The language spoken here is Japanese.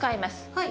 はい。